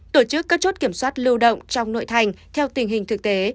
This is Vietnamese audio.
tổ chức các chốt kiểm soát lưu động trong nội thành theo tình hình thực tế